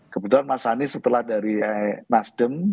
kebetulan mas anies setelah dari nasdem